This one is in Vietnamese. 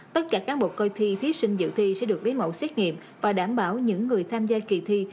tất cả cán bộ coi thi thí sinh dự thi sẽ được lấy mẫu xét nghiệm và đảm bảo những người tham gia kỳ thi